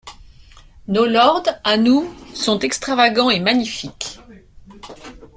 Nos lords, à nous, sont extravagants et magnifiques.